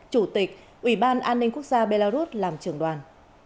chủ tịch ủy ban an ninh quốc gia belarus làm trưởng đoàn